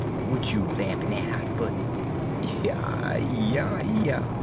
"'Wat you laffin' at, Hot Foot?' "'Yah, yah, yah!